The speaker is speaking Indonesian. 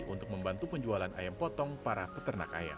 untuk membantu penjualan ayam potong para peternak ayam